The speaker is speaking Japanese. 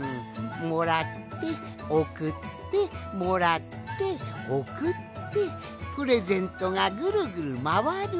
もらっておくってもらっておくってプレゼントがぐるぐるまわる。